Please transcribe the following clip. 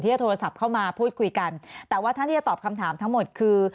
จะโทรศัพท์เข้ามาพูดคุยกันแต่ว่าท่านที่จะตอบคำถามทั้งหมดคือ